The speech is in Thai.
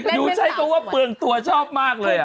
หนูใช้คำว่าเปลืองตัวชอบมากเลย